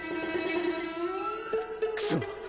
くそ！